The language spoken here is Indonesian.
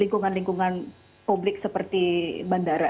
lingkungan lingkungan publik seperti bandara